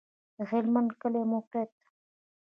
د هلمند کلی موقعیت